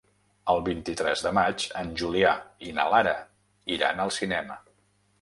El vint-i-tres de maig en Julià i na Lara iran al cinema.